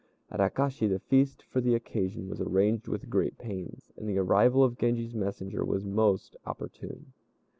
At Akashi the feast for the occasion was arranged with great pains, and the arrival of Genji's messenger was most opportune.